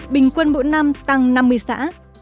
bình quân mỗi năm tăng năm mươi xã